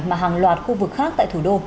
mà hàng loạt khu vực khác tại thủ đô